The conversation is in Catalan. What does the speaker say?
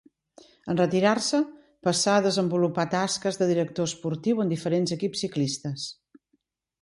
En retirar-se passà a desenvolupar tasques de director esportiu en diferents equips ciclistes.